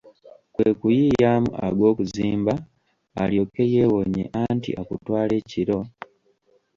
Kwe kuyiyaamu ag'okuzimba, alyoke yeewonye anti akutwala ekiro …